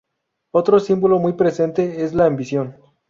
Otro símbolo muy presente es la ambición.